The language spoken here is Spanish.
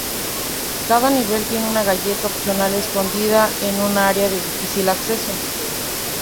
Cada nivel tiene una galleta opcional escondida en un área de difícil acceso.